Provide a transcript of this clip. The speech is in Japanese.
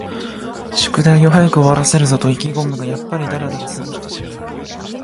宿題を早く終わらせるぞと意気ごむが、やっぱりだらだら過ごしてしまう